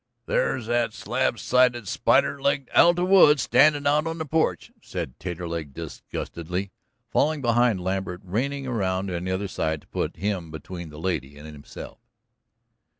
"There's that slab sided, spider legged Alta Wood standin' out on the porch," said Taterleg disgustedly, falling behind Lambert, reining around on the other side to put him between the lady and himself.